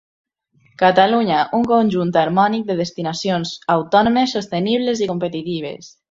Catalunya, un conjunt harmònic de destinacions autònomes, sostenibles i competitives.